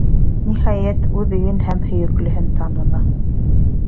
Ниһайәт, үҙ өйөн һәм һөйөклөһөн таныны.